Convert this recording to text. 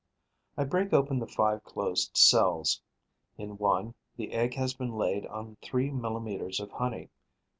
I break open the five closed cells. In one, the egg has been laid on three millimetres of honey